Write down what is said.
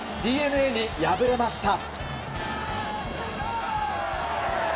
ＤｅＮＡに敗れました。